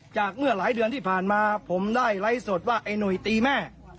เมื่อหลายเดือนที่ผ่านมาผมได้ไลฟ์สดว่าไอ้หนุ่ยตีแม่